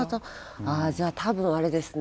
ああじゃあ多分あれですね。